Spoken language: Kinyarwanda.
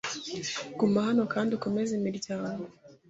Guma hano kandi ukomeze imiryango.